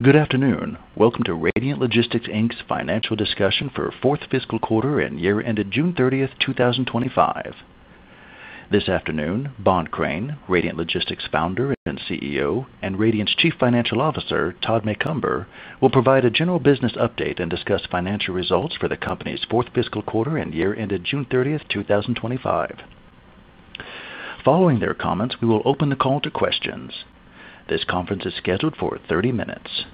Good afternoon. Welcome to Radiant Logistics, Inc.'s financial discussion for our fourth fiscal quarter and year ended June 30, 2025. This afternoon, Bohn Crain, Radiant Logistics Founder and CEO, and Radiant's Chief Financial Officer, Todd Macomber, will provide a general business update and discuss financial results for the company's fourth fiscal quarter and year ended June 30, 2025. Following their comments, we will open the call to questions. This conference is scheduled for 30 minutes.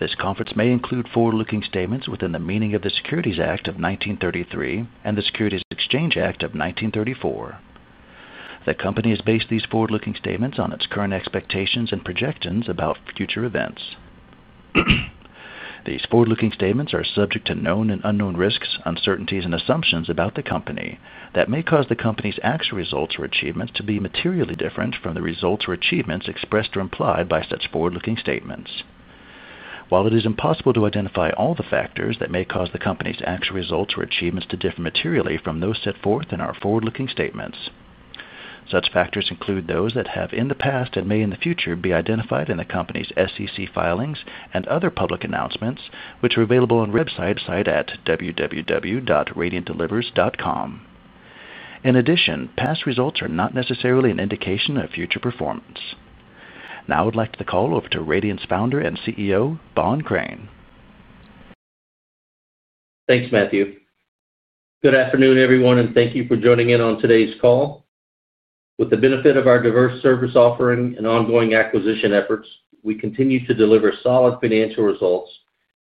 This conference may include forward-looking statements within the meaning of the Securities Act of 1933 and the Securities Exchange Act of 1934. The company has based these forward-looking statements on its current expectations and projections about future events. These forward-looking statements are subject to known and unknown risks, uncertainties, and assumptions about the company that may cause the company's actual results or achievements to be materially different from the results or achievements expressed or implied by such forward-looking statements. While it is impossible to identify all the factors that may cause the company's actual results or achievements to differ materially from those set forth in our forward-looking statements, such factors include those that have in the past and may in the future be identified in the company's SEC filings and other public announcements, which are available on our website at www.radiantdelivers.com. In addition, past results are not necessarily an indication of future performance. Now I would like to call over to Radiant's Founder and CEO, Bohn Crain. Thanks, Matthew. Good afternoon, everyone, and thank you for joining in on today's call. With the benefit of our diverse service offering and ongoing acquisition efforts, we continue to deliver solid financial results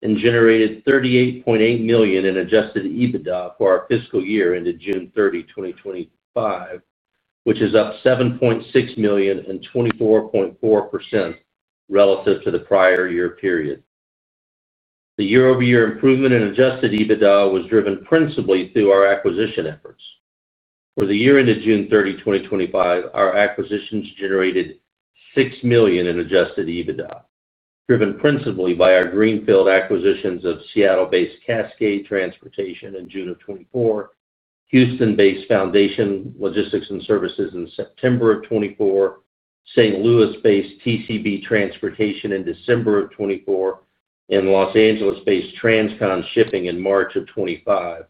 and generated $38.8 million in adjusted EBITDA for our fiscal year ended June 30, 2025, which is up $7.6 million and 24.4% relative to the prior year period. The year-over-year improvement in adjusted EBITDA was driven principally through our acquisition efforts. For the year ended June 30, 2025, our acquisitions generated $6 million in adjusted EBITDA, driven principally by our Greenfield acquisitions of Seattle-based Cascade Transportation in June 2024, Houston-based Foundation Logistics and Services in September 2024, St. Louis-based TCB Transportation in December 2024, and Los Angeles-based TransCon Shipping in March 2025,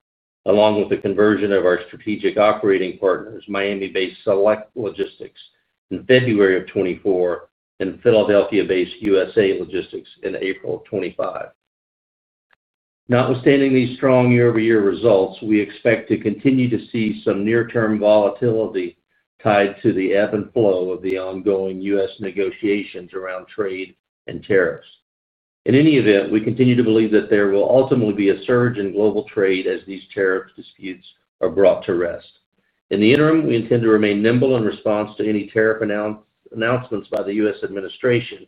along with the conversion of our strategic operating partners, Miami-based Select Logistics in February 2024 and Philadelphia-based USA Logistics in April 2025. Notwithstanding these strong year-over-year results, we expect to continue to see some near-term volatility tied to the ebb and flow of the ongoing U.S. negotiations around trade and tariffs. In any event, we continue to believe that there will ultimately be a surge in global trade as these tariff disputes are brought to rest. In the interim, we intend to remain nimble in response to any tariff announcements by the U.S. administration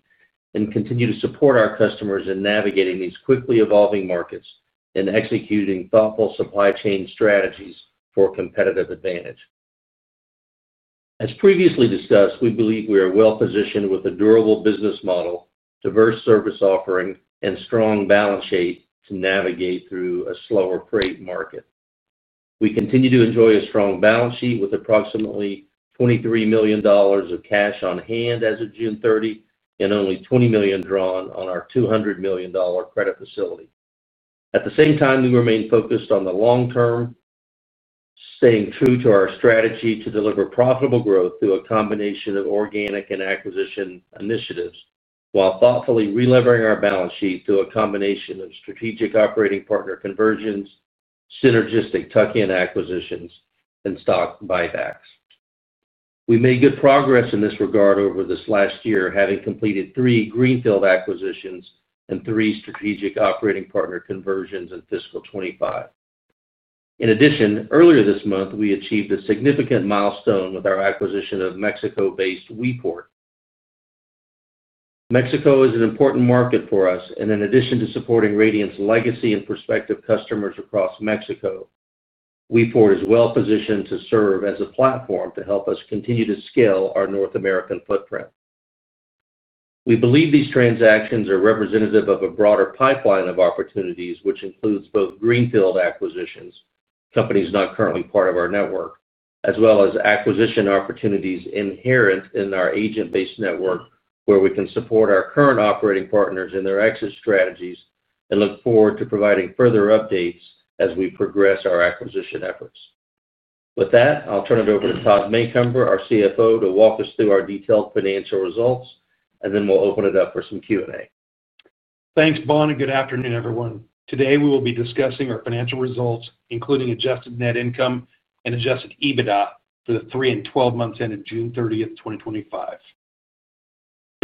and continue to support our customers in navigating these quickly evolving markets and executing thoughtful supply chain strategies for competitive advantage. As previously discussed, we believe we are well positioned with a durable business model, diverse service offering, and strong balance sheet to navigate through a slower freight market. We continue to enjoy a strong balance sheet with approximately $23 million of cash on hand as of June 30 and only $20 million drawn on our $200 million credit facility. At the same time, we remain focused on the long term, staying true to our strategy to deliver profitable growth through a combination of organic and acquisition initiatives, while thoughtfully re-levering our balance sheet through a combination of strategic operating partner conversions, synergistic tuck-in acquisitions, and stock buybacks. We made good progress in this regard over this last year, having completed three Greenfield acquisitions and three strategic operating partner conversions in fiscal 2025. In addition, earlier this month, we achieved a significant milestone with our acquisition of Mexico-based WePort. Mexico is an important market for us, and in addition to supporting Radiant's legacy and prospective customers across Mexico, WePort is well positioned to serve as a platform to help us continue to scale our North American footprint. We believe these transactions are representative of a broader pipeline of opportunities, which includes both Greenfield acquisitions, companies not currently part of our network, as well as acquisition opportunities inherent in our agent-based network, where we can support our current operating partners in their exit strategies and look forward to providing further updates as we progress our acquisition efforts. With that, I'll turn it over to Todd Macomber, our CFO, to walk us through our detailed financial results, and then we'll open it up for some Q&A. Thanks, Bohn, and good afternoon, everyone. Today we will be discussing our financial results, including adjusted net income and adjusted EBITDA for the three and 12 months ended June 30, 2025.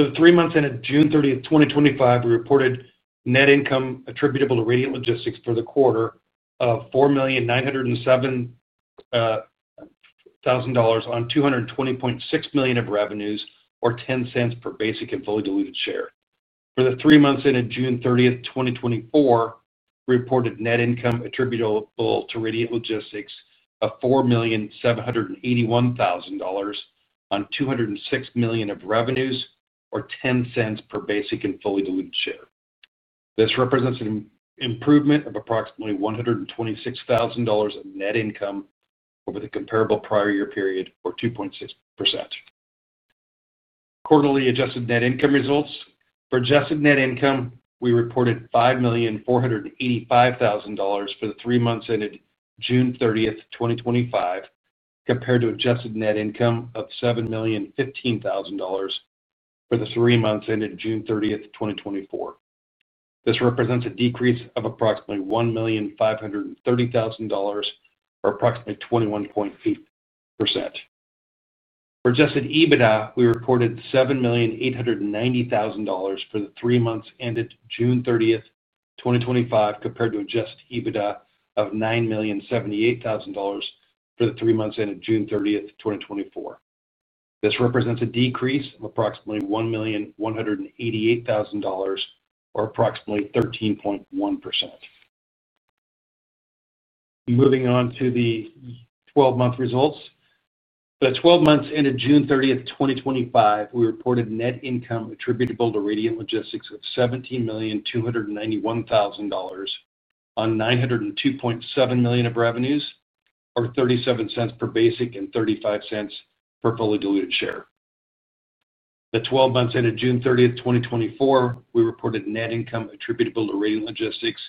For the three months ended June 30, 2025, we reported net income attributable to Radiant Logistics for the quarter of $4,907,000 on $220.6 million of revenues, or $0.10 per basic and fully diluted share. For the three months ended June 30, 2024, we reported net income attributable to Radiant Logistics of $4,781,000 on $206 million of revenues, or $0.10 per basic and fully diluted share. This represents an improvement of approximately $126,000 of net income over the comparable prior year period, or 2.6%. Accordingly, adjusted net income results. For adjusted net income, we reported $5,485,000 for the three months ended June 30, 2025, compared to adjusted net income of $7,015,000 for the three months ended June 30, 2024. This represents a decrease of approximately $1,530,000 or approximately 21.8%. For adjusted EBITDA, we reported $7,890,000 for the three months ended June 30, 2025, compared to adjusted EBITDA of $9,078,000 for the three months ended June 30, 2024. This represents a decrease of approximately $1,188,000 or approximately 13.1%. Moving on to the 12-month results. For the 12 months ended June 30, 2025, we reported net income attributable to Radiant Logistics of $17,291,000 on $902.7 million of revenues, or $0.37 per basic and $0.35 per fully diluted share. For the 12 months ended June 30, 2024, we reported net income attributable to Radiant Logistics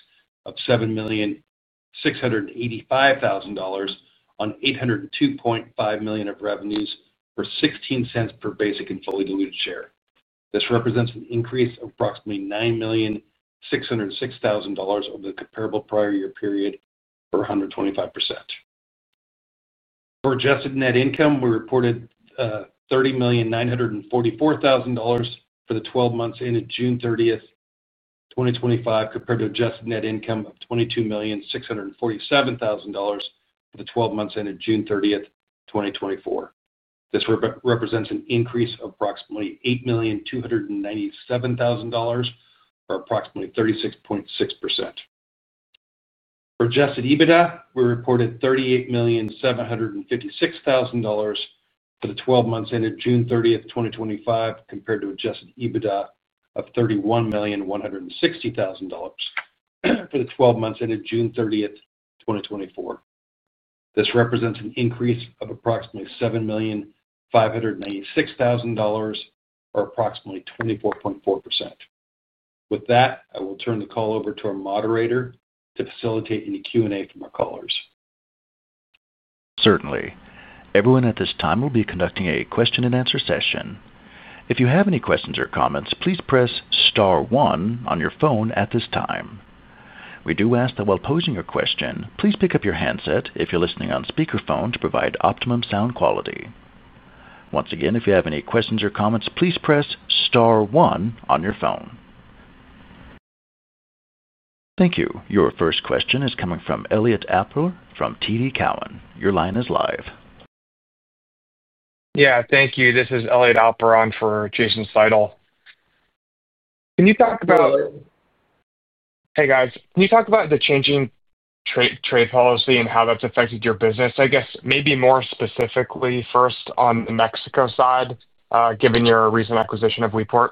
of $7,685,000 on $802.5 million of revenues, or $0.16 per basic and fully diluted share. This represents an increase of approximately $9,606,000 over the comparable prior year period or 125%. For adjusted net income, we reported $30,944,000 for the 12 months ended June 30, 2025, compared to adjusted net income of $22,647,000 for the 12 months ended June 30, 2024. This represents an increase of approximately $8,297,000 or approximately 36.6%. For adjusted EBITDA, we reported $38,756,000 for the 12 months ended June 30, 2025, compared to adjusted EBITDA of $31,160,000 for the 12 months ended June 30, 2024. This represents an increase of approximately $7,596,000 or approximately 24.4%. With that, I will turn the call over to our moderator to facilitate any Q&A from our callers. Certainly. Everyone at this time will be conducting a question and answer session. If you have any questions or comments, please press star one on your phone at this time. We do ask that while posing your question, please pick up your handset if you're listening on speakerphone to provide optimum sound quality. Once again, if you have any questions or comments, please press star one on your phone. Thank you. Your first question is coming from Elliot Appel from TD Cowen. Your line is live. Yeah, thank you. This is Elliot Appel on for Jason Seidel. Can you talk about, hey guys, can you talk about the changing trade policy and how that's affected your business? I guess maybe more specifically first on the Mexico side, given your recent acquisition of WePort?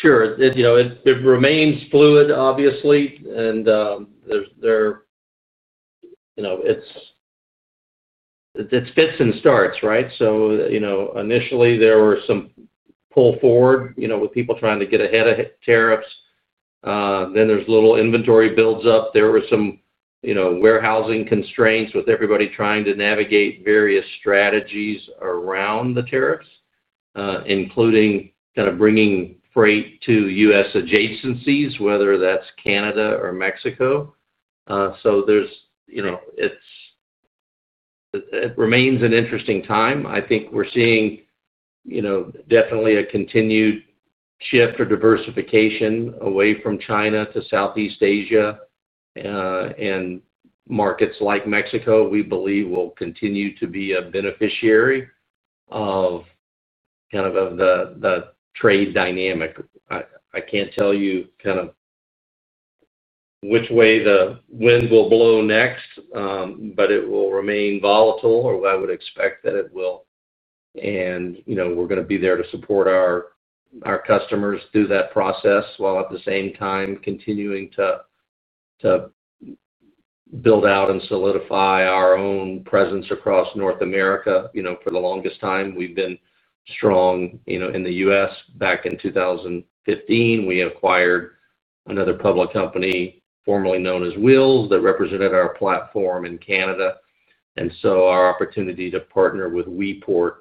Sure. It remains fluid, obviously, and it's fits and starts, right? Initially there were some pull forward, with people trying to get ahead of tariffs. Then there's little inventory builds up. There were some warehousing constraints with everybody trying to navigate various strategies around the tariffs, including kind of bringing freight to U.S. adjacencies, whether that's Canada or Mexico. It remains an interesting time. I think we're seeing definitely a continued shift or diversification away from China to Southeast Asia, and markets like Mexico, we believe, will continue to be a beneficiary of kind of the trade dynamic. I can't tell you kind of which way the winds will blow next, but it will remain volatile, or I would expect that it will. We're going to be there to support our customers through that process while at the same time continuing to build out and solidify our own presence across North America. For the longest time, we've been strong in the U.S. Back in 2015, we acquired another public company, formerly known as Wills, that represented our platform in Canada. Our opportunity to partner with WePort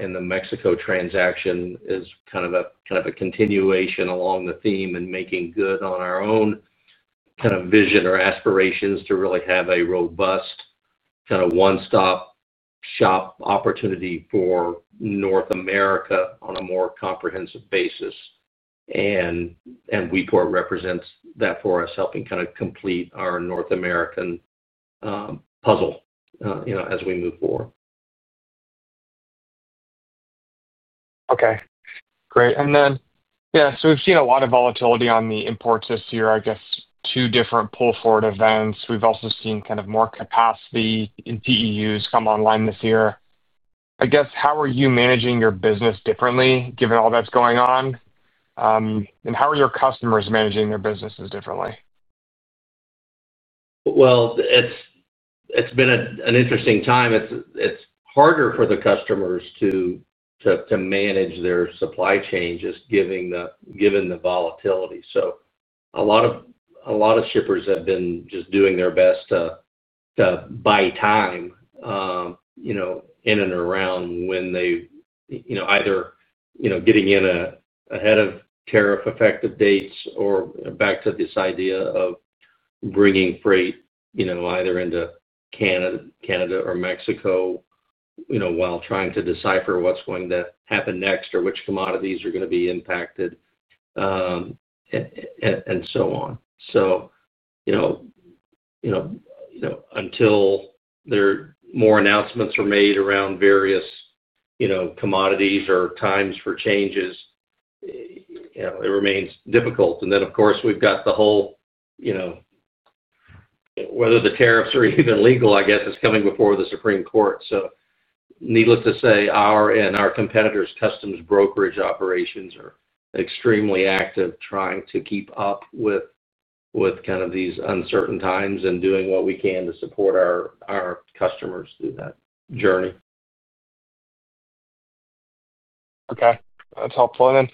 in the Mexico transaction is kind of a continuation along the theme and making good on our own kind of vision or aspirations to really have a robust kind of one-stop shop opportunity for North America on a more comprehensive basis. WePort represents that for us, helping kind of complete our North American puzzle as we move forward. Okay. Great. We've seen a lot of volatility on the imports this year, I guess, two different pull-forward events. We've also seen kind of more capacity in PEUs come online this year. I guess, how are you managing your business differently given all that's going on? How are your customers managing their businesses differently? It's been an interesting time. It's harder for the customers to manage their supply chain just given the volatility. A lot of shippers have been just doing their best to buy time, in and around when they, you know, either getting in ahead of tariff-effective dates or back to this idea of bringing freight either into Canada or Mexico, while trying to decipher what's going to happen next or which commodities are going to be impacted and so on. Until there are more announcements made around various commodities or times for changes, it remains difficult. Of course, we've got the whole, you know, whether the tariffs are even legal, I guess, is coming before the Supreme Court. Needless to say, our and our competitors' customs brokerage operations are extremely active trying to keep up with these uncertain times and doing what we can to support our customers through that journey. Okay. That's helpful.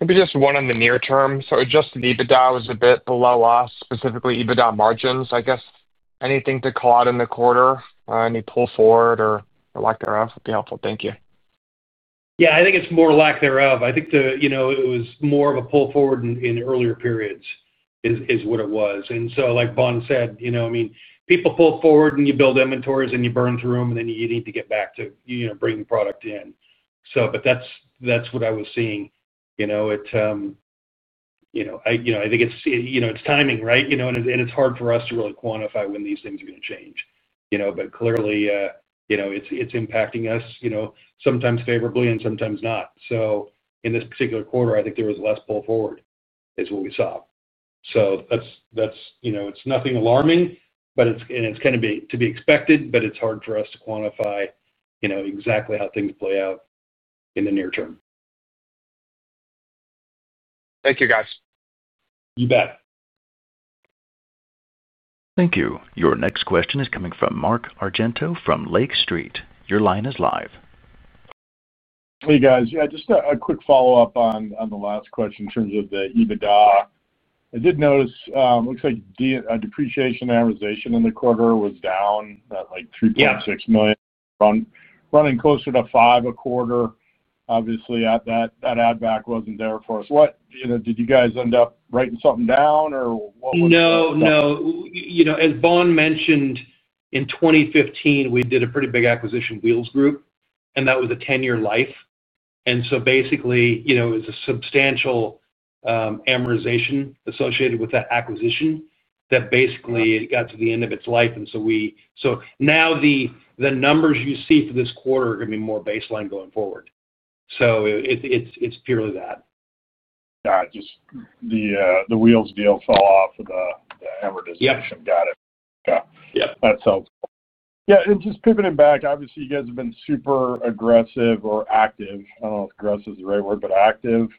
Maybe just one on the near term. Adjusted EBITDA was a bit below us, specifically EBITDA margins, I guess. Anything to call out in the quarter? Any pull forward or lack thereof would be helpful. Thank you. Yeah, I think it's more lack thereof. I think it was more of a pull forward in earlier periods is what it was. Like Bohn said, people pull forward and you build inventories and you burn through them and then you need to get back to bringing product in. That's what I was seeing. I think it's timing, right? It's hard for us to really quantify when these things are going to change. Clearly, it's impacting us, sometimes favorably and sometimes not. In this particular quarter, I think there was less pull forward is what we saw. It's nothing alarming, and it's kind of to be expected, but it's hard for us to quantify exactly how things play out in the near term. Thank you, guys. You bet. Thank you. Your next question is coming from Mark Argento from Lake Street. Your line is live. Hey guys, just a quick follow-up on the last question in terms of the EBITDA. I did notice it looks like depreciation and amortization in the quarter was down at $3.6 million, running closer to $5 million a quarter. Obviously, that add-back wasn't there for us. What, you know, did you guys end up writing something down or what was it? No, as Bohn mentioned, in 2015, we did a pretty big acquisition, Wills Group, and that was a 10-year life. Basically, it was a substantial amortization associated with that acquisition that got to the end of its life. Now the numbers you see for this quarter are going to be more baseline going forward. It's purely that. Got it. Just the Wills deal fell off for the acquisition. Yep. Got it. Yep. That's helpful. Yeah, just pivoting back, obviously, you guys have been super active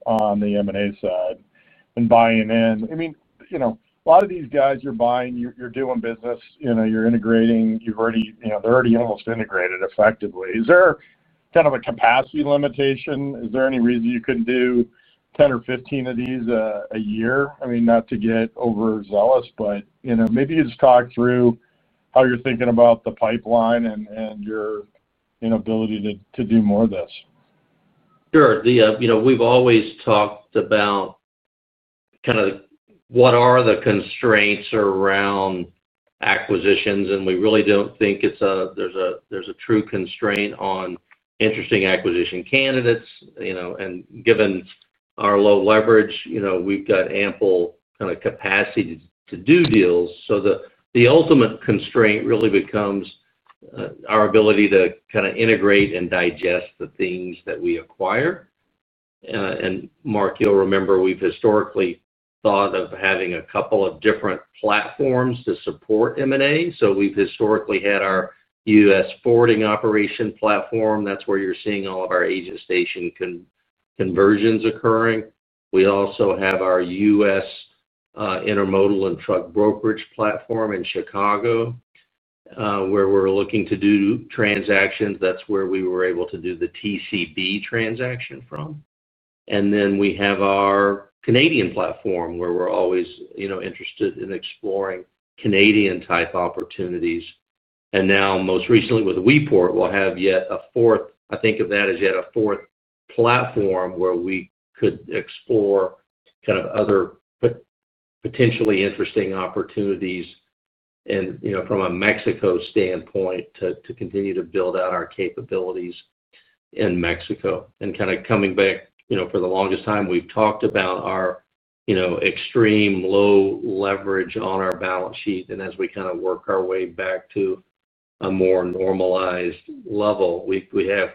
on the M&A side and buying in. I mean, a lot of these guys you're buying, you're doing business, you're integrating, you've already, they're already almost integrated effectively. Is there kind of a capacity limitation? Is there any reason you couldn't do 10 or 15 of these a year? I mean, not to get overzealous, but maybe you just talk through how you're thinking about the pipeline and your ability to do more of this. Sure. We've always talked about kind of what are the constraints around acquisitions, and we really don't think there's a true constraint on interesting acquisition candidates. Given our low leverage, we've got ample kind of capacity to do deals. The ultimate constraint really becomes our ability to kind of integrate and digest the things that we acquire. Mark, you'll remember we've historically thought of having a couple of different platforms to support M&A activity. We've historically had our U.S. forwarding operation platform. That's where you're seeing all of our Asia Station conversions occurring. We also have our U.S. intermodal and truck brokerage platform in Chicago, where we're looking to do transactions. That's where we were able to do the TCB Transportation transaction from. We have our Canadian platform where we're always interested in exploring Canadian-type opportunities. Most recently with WePort, we'll have yet a fourth, I think of that as yet a fourth platform where we could explore kind of other potentially interesting opportunities. From a Mexico standpoint, to continue to build out our capabilities in Mexico. Coming back, for the longest time, we've talked about our extreme low leverage on our balance sheet. As we kind of work our way back to a more normalized level, we have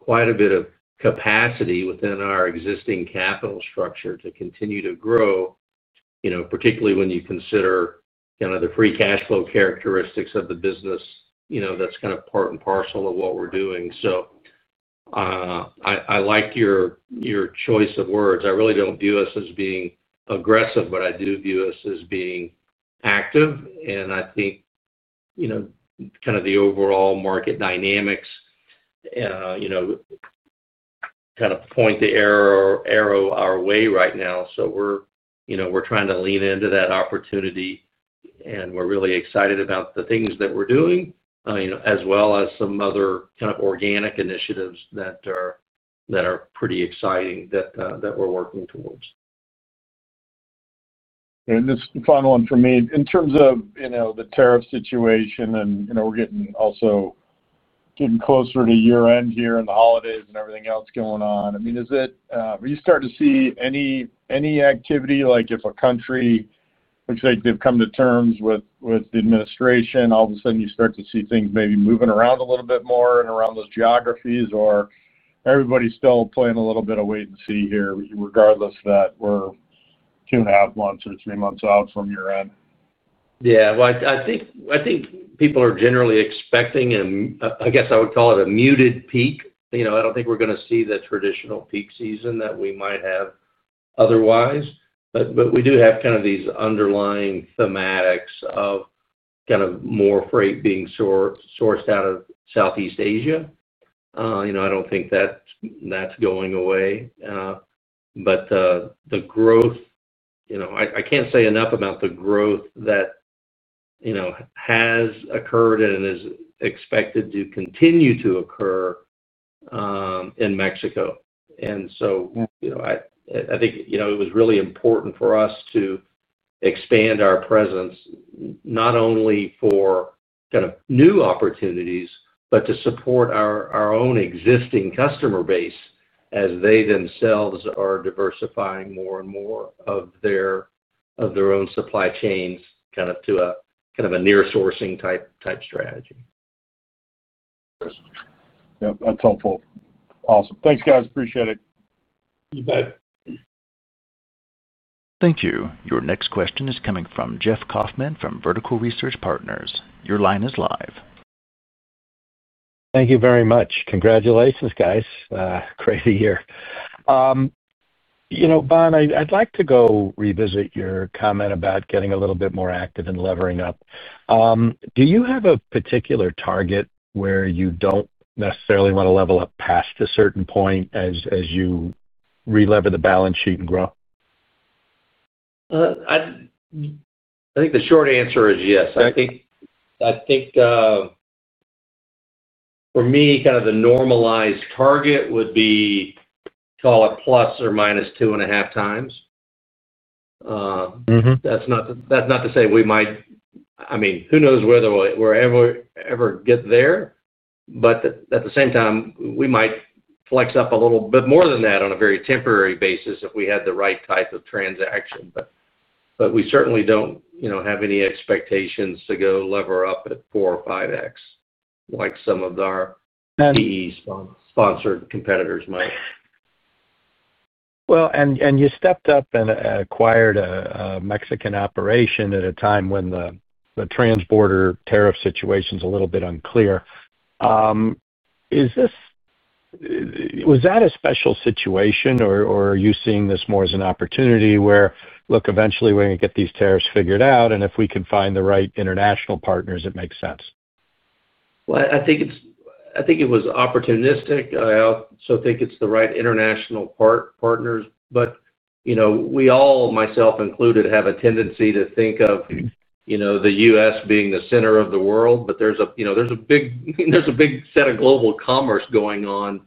quite a bit of capacity within our existing capital structure to continue to grow, particularly when you consider kind of the free cash flow characteristics of the business. That's kind of part and parcel of what we're doing. I like your choice of words. I really don't view us as being aggressive, but I do view us as being active. I think the overall market dynamics kind of point the arrow our way right now. We're trying to lean into that opportunity, and we're really excited about the things that we're doing, as well as some other kind of organic initiatives that are pretty exciting that we're working towards. This is the final one for me. In terms of the tariff situation, we're also getting closer to year-end here and the holidays and everything else going on. I mean, are you starting to see any activity, like if a country looks like they've come to terms with the administration, all of a sudden you start to see things maybe moving around a little bit more in and around those geographies, or is everybody still playing a little bit of wait and see here, regardless of that, we're two and a half months or three months out from year-end? I think people are generally expecting, and I guess I would call it a muted peak. I don't think we're going to see the traditional peak season that we might have otherwise. We do have these underlying thematics of more freight being sourced out of Southeast Asia. I don't think that's going away. The growth, I can't say enough about the growth that has occurred and is expected to continue to occur in Mexico. I think it was really important for us to expand our presence not only for new opportunities, but to support our own existing customer base as they themselves are diversifying more and more of their own supply chains to a kind of a near-sourcing type strategy. Yep. That's helpful. Awesome. Thanks, guys. Appreciate it. You bet. Thank you. Your next question is coming from Jeff Kaufman from Vertical Research Partners. Your line is live. Thank you very much. Congratulations, guys. Crazy year. You know, Bohn, I'd like to go revisit your comment about getting a little bit more active and levering up. Do you have a particular target where you don't necessarily want to lever up past a certain point as you re-lever the balance sheet and grow? I think the short answer is yes. I think for me, kind of the normalized target would be, call it plus or minus 2.5 times. That's not to say we might, I mean, who knows whether we'll ever get there, but at the same time, we might flex up a little bit more than that on a very temporary basis if we had the right type of transaction. We certainly don't, you know, have any expectations to go lever up at 4 or 5x like some of our PE-sponsored competitors might. You stepped up and acquired a Mexican operation at a time when the transborder tariff situation is a little bit unclear. Was that a special situation, or are you seeing this more as an opportunity where, look, eventually, we're going to get these tariffs figured out, and if we can find the right international partners, it makes sense? I think it was opportunistic. I also think it's the right international partners. You know, we all, myself included, have a tendency to think of, you know, the U.S. being the center of the world. There's a big set of global commerce going on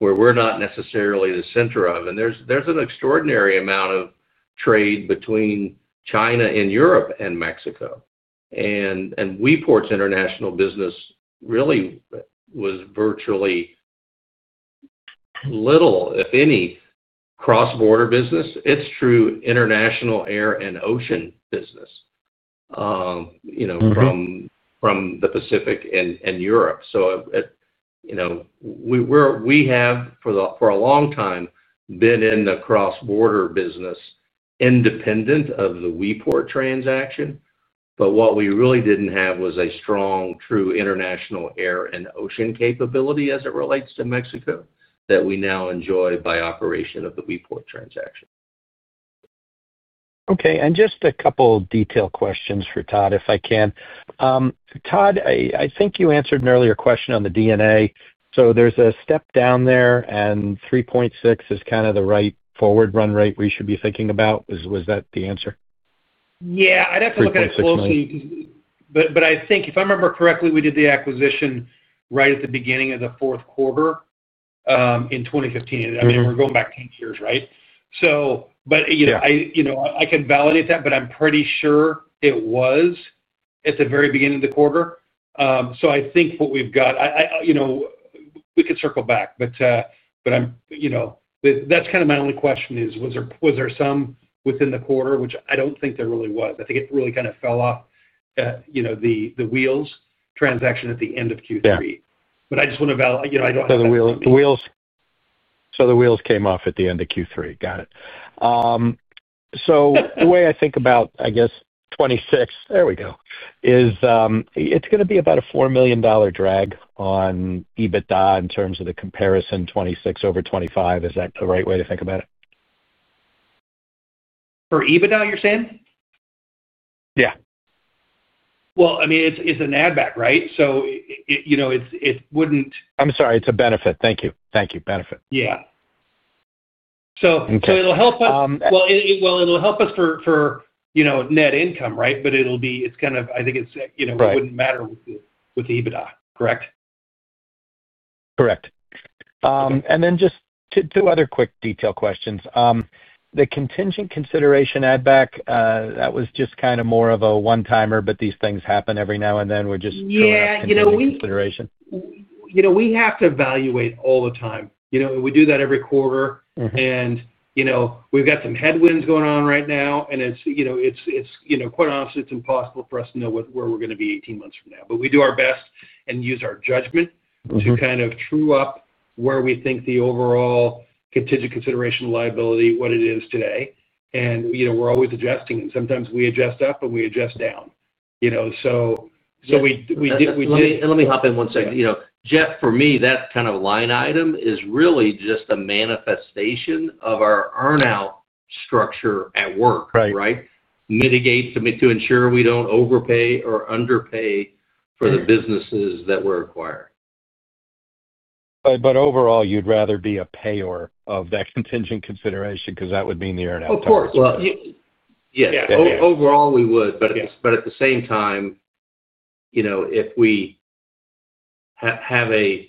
where we're not necessarily the center of. There's an extraordinary amount of trade between China and Europe and Mexico. WePort's international business really was virtually little, any cross-border business. It's true international air and ocean business, you know, from the Pacific and Europe. We have, for a long time, been in the cross-border business independent of the WePort transaction. What we really didn't have was a strong, true international air and ocean capability as it relates to Mexico that we now enjoy by operation of the WePort transaction. Okay. Just a couple of detailed questions for Todd, if I can. Todd, I think you answered an earlier question on the DNA. There's a step down there, and $3.6 million is kind of the right forward run rate we should be thinking about. Was that the answer? Yeah, I'd have to look at it closely because I think if I remember correctly, we did the acquisition right at the beginning of the fourth quarter in 2015. I mean, we're going back 10 years, right? I can validate that, but I'm pretty sure it was at the very beginning of the quarter. I think what we've got, we could circle back. That's kind of my only question, was there some within the quarter, which I don't think there really was? I think it really kind of fell off, you know, the Wills transaction at the end of Q3. I just want to validate. The wheels came off at the end of Q3. Got it. The way I think about, I guess, 2026, there we go, is it's going to be about a $4 million drag on EBITDA in terms of the comparison 2026 over 2025. Is that the right way to think about it? For adjusted EBITDA, you're saying? Yeah. I mean, it's an add-back, right? You know, it wouldn't. I'm sorry. It's a benefit. Thank you. Thank you. Benefit. It'll help us for net income, right? It's kind of, I think it's, you know, it wouldn't matter with the EBITDA. Correct. Correct. Just two other quick detail questions. The contingent consideration add-back, that was just kind of more of a one-timer, but these things happen every now and then. We're just going back to the consideration. We have to evaluate all the time, and we do that every quarter. We've got some headwinds going on right now. Quite honestly, it's impossible for us to know where we're going to be 18 months from now, but we do our best and use our judgment to kind of true up where we think the overall contingent consideration liability is today. We're always adjusting, and sometimes we adjust up and we adjust down. We did. Let me hop in one second. You know, Jeff, for me, that kind of line item is really just a manifestation of our earnout structure at work, right? Right. Mitigate to ensure we don't overpay or underpay for the businesses that we acquire. Overall, you'd rather be a payer of that contingent consideration because that would mean the earnout cost. Of course. Overall, we would. At the same time, if we have a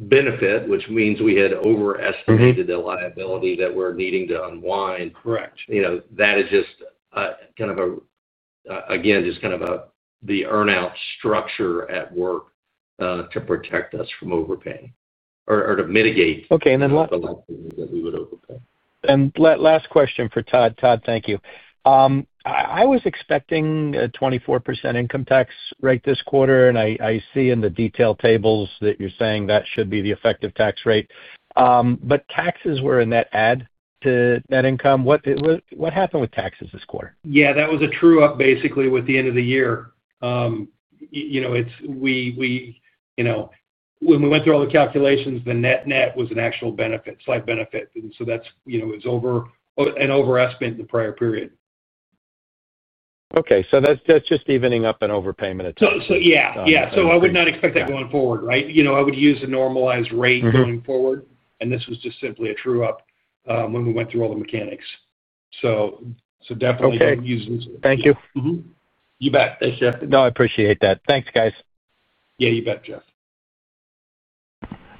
benefit, which means we had overestimated the liability that we're needing to unwind, correct, that is just kind of the earnout structure at work to protect us from overpaying or to mitigate the liability that we would overpay. Last question for Todd. Todd, thank you. I was expecting a 24% income tax rate this quarter, and I see in the detailed tables that you're saying that should be the effective tax rate. Taxes were in that add to net income. What happened with taxes this quarter? Yeah, that was a true-up basically with the end of the year. When we went through all the calculations, the net net was an actual benefit, slight benefit. It was an overestimate in the prior period. Okay, that's just evening up an overpayment. Yeah, I would not expect that going forward, right? I would use a normalized rate going forward. This was just simply a true-up when we went through all the mechanics. Definitely could use this. Thank you. You bet. Thanks, Jeff. No, I appreciate that. Thanks, guys. Yeah, you bet, Jeff.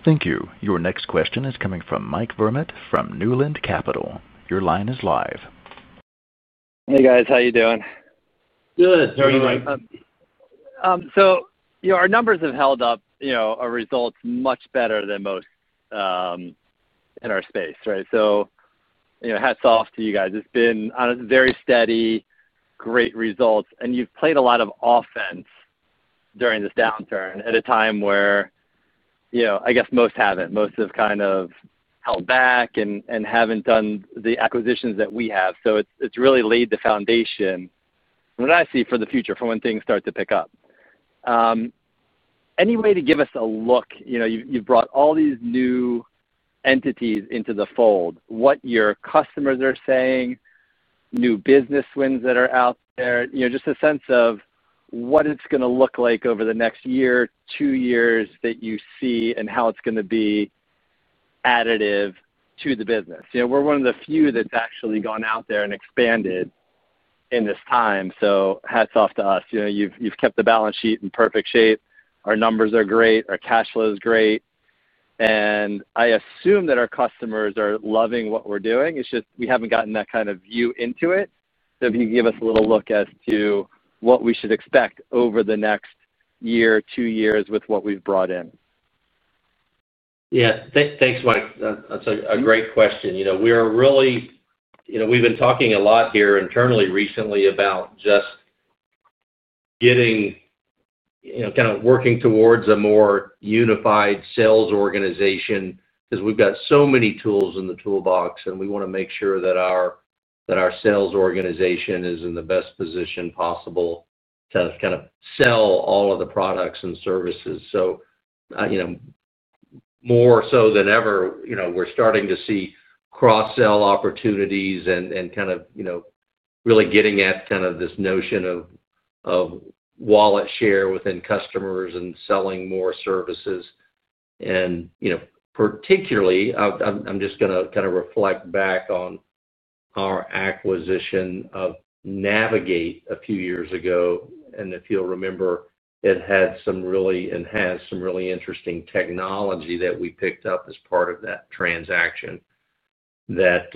Thank you. Your next question is coming from Mike Vermitt from Newland Capital. Your line is live. Hey guys, how are you doing? Good. How are you, Mike? Our numbers have held up, our results much better than most in our space, right? Hats off to you guys. It's been honestly very steady, great results. You've played a lot of offense during this downturn at a time where most haven't. Most have kind of held back and haven't done the acquisitions that we have. It's really laid the foundation for what I see for the future, for when things start to pick up. Any way to give us a look? You've brought all these new entities into the fold. What your customers are saying, new business wins that are out there, just a sense of what it's going to look like over the next year, two years that you see, and how it's going to be additive to the business. We're one of the few that's actually gone out there and expanded in this time. Hats off to us. You've kept the balance sheet in perfect shape. Our numbers are great. Our cash flow is great. I assume that our customers are loving what we're doing. It's just we haven't gotten that kind of view into it. If you can give us a little look as to what we should expect over the next year, two years with what we've brought in. Yeah, thanks, Mike. That's a great question. We've been talking a lot here internally recently about just getting, you know, kind of working towards a more unified sales organization because we've got so many tools in the toolbox, and we want to make sure that our sales organization is in the best position possible to kind of sell all of the products and services. More so than ever, we're starting to see cross-sell opportunities and kind of really getting at this notion of wallet share within customers and selling more services. Particularly, I'm just going to reflect back on our acquisition of Navigate a few years ago. If you'll remember, it had some really, and has some really interesting technology that we picked up as part of that transaction that,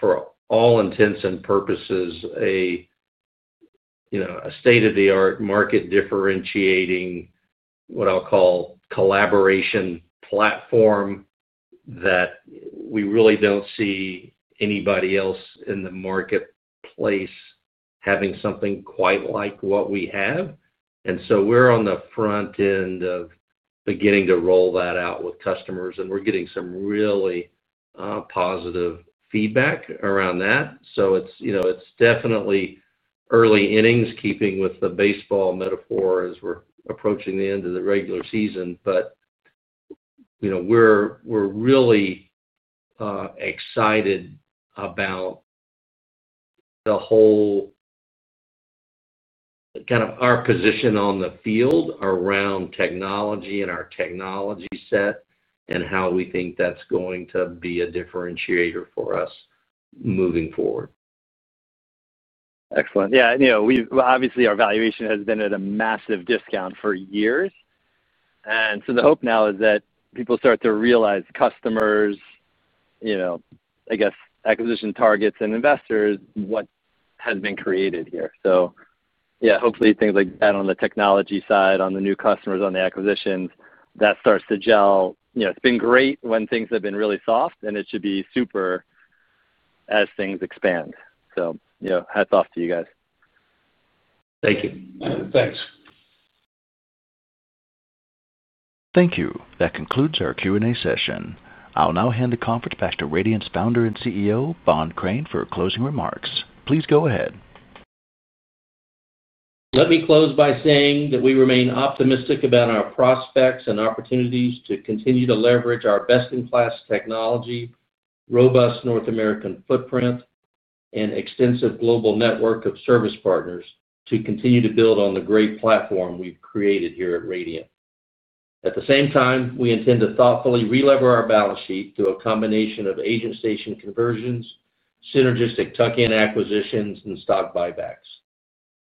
for all intents and purposes, is a state-of-the-art market differentiating, what I'll call collaboration platform that we really don't see anybody else in the marketplace having something quite like what we have. We're on the front end of beginning to roll that out with customers, and we're getting some really positive feedback around that. It's definitely early innings, keeping with the baseball metaphor as we're approaching the end of the regular season. We're really excited about the whole kind of our position on the field around technology and our technology set and how we think that's going to be a differentiator for us moving forward. Excellent. Yeah, and you know, our valuation has been at a massive discount for years. The hope now is that people start to realize—customers, acquisition targets, and investors—what has been created here. Hopefully, things like that on the technology side, on the new customers, on the acquisitions, that starts to gel. It's been great when things have been really soft, and it should be super as things expand. Hats off to you guys. Thank you. Thanks. Thank you. That concludes our Q&A session. I'll now hand the conference back to Radiant's Founder and CEO, Bohn Crain, for closing remarks. Please go ahead. Let me close by saying that we remain optimistic about our prospects and opportunities to continue to leverage our best-in-class technology, robust North American footprint, and extensive global network of service partners to continue to build on the great platform we've created here at Radiant Logistics. At the same time, we intend to thoughtfully re-lever our balance sheet through a combination of station conversions, synergistic tuck-in acquisitions, and stock buybacks.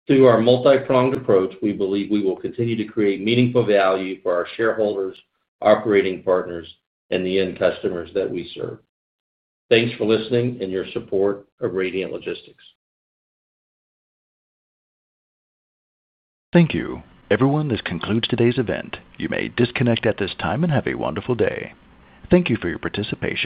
Through our multipronged approach, we believe we will continue to create meaningful value for our shareholders, operating partners, and the end customers that we serve. Thanks for listening and your support of Radiant Logistics. Thank you. Everyone, this concludes today's event. You may disconnect at this time and have a wonderful day. Thank you for your participation.